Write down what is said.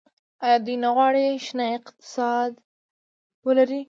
آیا دوی نه غواړي شنه اقتصاد ولري؟